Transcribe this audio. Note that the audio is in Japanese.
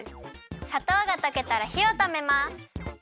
さとうがとけたらひをとめます。